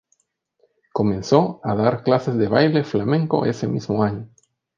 Comenzó a dar clases de baile flamenco ese mismo año.